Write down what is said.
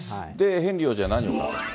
ヘンリー王子は何を言ったか。